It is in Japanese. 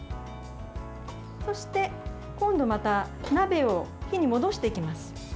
そして、今度また鍋を火に戻していきます。